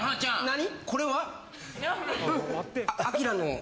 何？